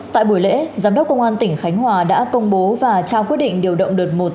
tại buổi lễ giám đốc công an tỉnh khánh hòa đã công bố và trao quyết định điều động đợt một